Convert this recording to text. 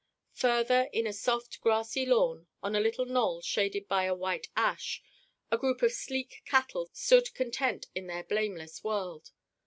Further, in a soft grassy lawn, on a little knoll shaded by a white ash, a group of sleek cattle stood content in their blameless world.